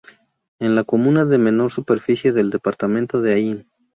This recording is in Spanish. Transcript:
Es la comuna de menor superficie del departamento de Ain.